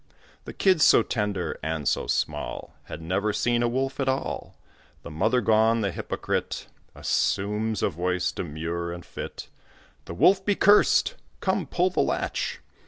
The Kid, so tender and so small, Had never seen a wolf at all. The mother gone, the hypocrite Assumes a voice demure and fit "The Wolf be cursed! come, pull the latch."